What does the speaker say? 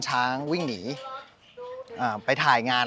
ชื่องนี้ชื่องนี้ชื่องนี้ชื่องนี้